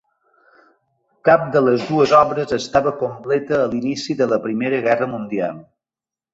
Cap de les dues obres estava completa a l'inici de la Primera Guerra Mundial.